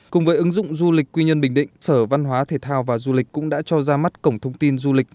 cùng với ứng dụng du lịch quy nhân bình định sở văn hóa thể thao và du lịch cũng đã cho ra mắt cổng thông tin du lịch